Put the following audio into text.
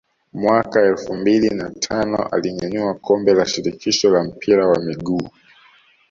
Mwaka elfu mbili na tano alinyanyua kombe la shirikisho la mpira wa miguu